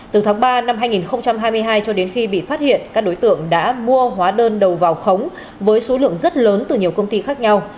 từ tháng ba năm hai nghìn hai mươi hai cho đến khi bị phát hiện các đối tượng đã mua hóa đơn đầu vào khống với số lượng rất lớn từ nhiều công ty khác nhau